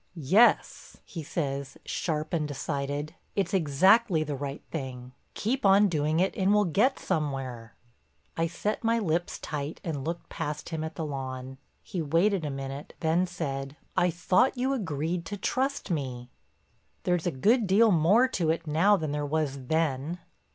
"Yes," he says, sharp and decided, "it's exactly the right thing. Keep on doing it and we'll get somewhere." I set my lips tight and looked past him at the lawn. He waited a minute then said: "I thought you agreed to trust me." "There's a good deal more to it now than there was then."